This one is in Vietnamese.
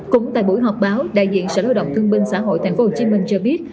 cũng tại buổi họp báo đại diện sở lao động thương binh xã hội tp hcm cho biết